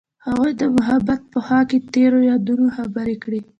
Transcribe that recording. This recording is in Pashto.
هغوی د محبت په خوا کې تیرو یادونو خبرې کړې.